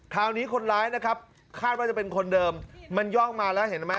คราวนี้คนร้ายนะครับคาดว่าจะเป็นคนเดิมมันย่องมาแล้วเห็นไหม